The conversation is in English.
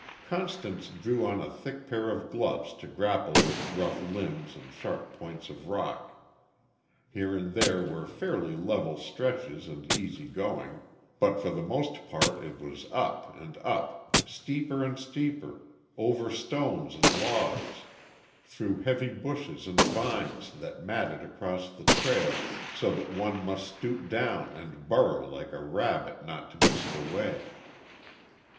Constance drew on a thick pair of gloves to grapple with rough limbs and sharp points of rock. Here and there were fairly level stretches and easy going, but for the most part it was up and up steeper and steeper over stones and logs, through heavy bushes and vines that matted across the trail, so that one must stoop down and burrow like a rabbit not to miss the way.